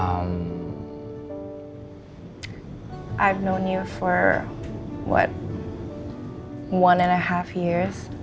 aku udah ketemu kamu selama